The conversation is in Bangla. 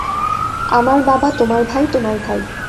আমার বাবা -- তোমার ভাই, তোমার ভাই!